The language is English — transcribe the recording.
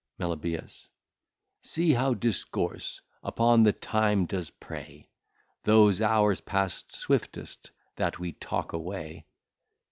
Meli. See how Discourse upon the Time does prey, Those hours pass swiftest, that we talk away.